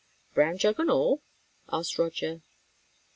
"Brown jug and all?" asked Roger.